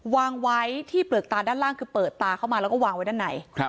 วางไว้ที่เปลือกตาด้านล่างคือเปิดตาเข้ามาแล้วก็วางไว้ด้านใน